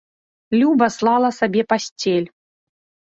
Люба слала сабе пасцель.